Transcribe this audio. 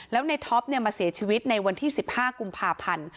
แล้วในท็อปมาเสียชีวิตในวันที่๑๕กุมภาพันธ์